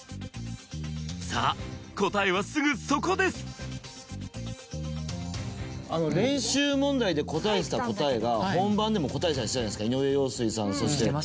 さぁ答えはすぐそこです練習問題で答えてた答えが本番でも答えたりしてたじゃないですか井上陽水さん。